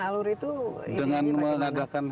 alur itu dengan mengadakan